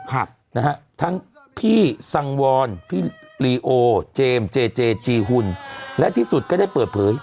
ครับนะฮะทั้งพี่สังวรพี่ลีโอเจมส์เจเจจีหุ่นและที่สุดก็ได้เปิดเผย